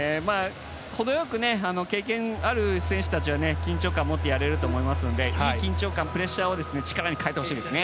程よく経験ある選手たちは緊張感を持ってやれると思いますのでいい緊張感、プレッシャーを力に変えてほしいですね。